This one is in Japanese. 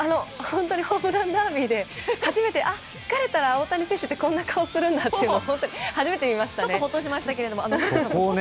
ホームランダービーで疲れたら大谷選手ってこんな顔するんだって初めて見ましたね。